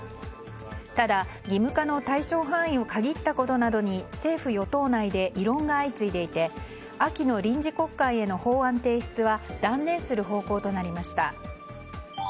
ただ、義務化の対象範囲を限ったことなどに政府与党内で異論が相次いでいて秋の臨時国会への法案提出は断念する方向となりました。